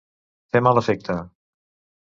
Fer mal efecte.